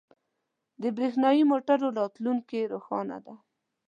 • د برېښنايی موټرو راتلونکې روښانه ده.